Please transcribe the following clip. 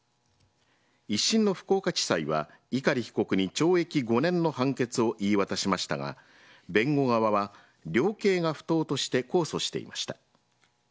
一審の福岡地裁は碇被告に懲役５年の判決を言い渡しましたが弁護側は量刑が不当として控訴していました。